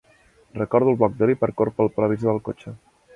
Recordo el bloc de l'Hipercor pel parabrisa del cotxe.